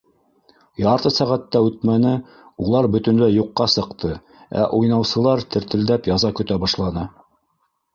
Ярты сәғәт тә үтмәне, улар бөтөнләй юҡҡа сыҡты, ә уйнаусылар тертелдәп яза көтә башланы.